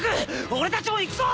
俺たちもいくぞ。